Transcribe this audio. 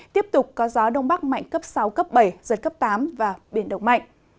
tiếp tục có gió đông bắc mạnh cấp sáu cấp bảy giật cấp tám và biển động mạnh